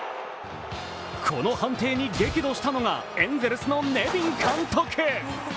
この判定に激怒したのがエンゼルスのネビン監督。